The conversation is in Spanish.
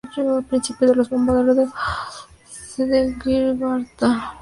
Participó en los bombardeos de Gibraltar.